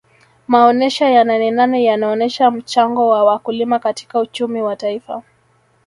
maonesha ya nanenane yanaonesha mchango wa wakulima katika uchumi wa taifa